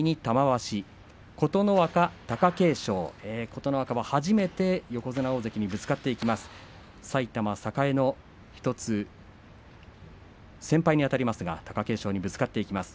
琴ノ若は初めて横綱大関にぶつかっていきます。